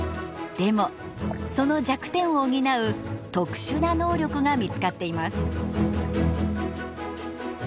でもその弱点を補う特殊な能力が見つかっています。